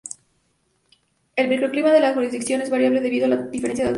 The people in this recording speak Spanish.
El micro clima de la jurisdicción es variable debido a la diferencia de alturas.